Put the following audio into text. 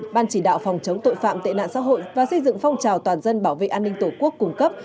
ban chỉ đạo phòng chống tội phạm tệ nạn xã hội và xây dựng phong trào toàn dân bảo vệ an ninh tổ quốc cung cấp